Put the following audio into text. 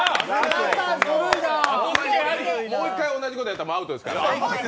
もう一回同じことやったらアウトですから。